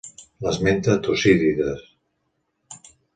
L'esmenta Tucídides.